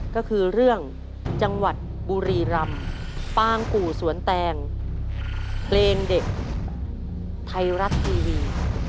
ก็คือเรื่องจังหวัดบุรีรำปางกู่สวนแตงเพลงเด็กไทยรัฐทีวี